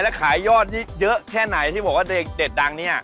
แล้วขายยอดนี่เยอะแค่ไหนที่บอกว่าเด็กดังเนี่ย